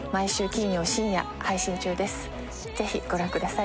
ぜひご覧ください。